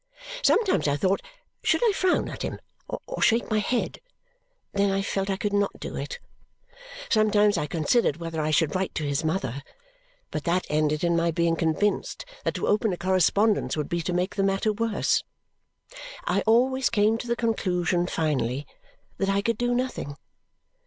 Sometimes I thought, should I frown at him or shake my head. Then I felt I could not do it. Sometimes I considered whether I should write to his mother, but that ended in my being convinced that to open a correspondence would be to make the matter worse. I always came to the conclusion, finally, that I could do nothing.